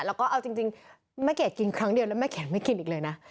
แล้วก็เอาจริงแม่เกดกินครั้งเดียวแล้วแม่เขียนไม่กินอีกเลยนะ